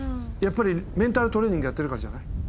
やっぱりメンタルトレーニングやってるからじゃない？